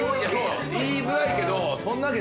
言いづらいけど。